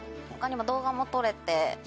動画も撮れて。